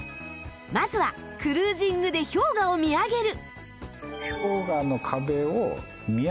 まずはクルージングで氷河を見上げる。